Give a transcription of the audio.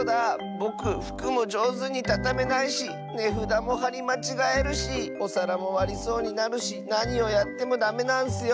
ぼくふくもじょうずにたためないしねふだもはりまちがえるしおさらもわりそうになるしなにをやってもダメなんッスよ！